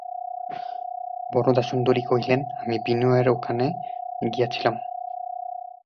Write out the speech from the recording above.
বরদাসুন্দরী কহিলেন, আমি বিনয়ের ওখানে গিয়েছিলেম।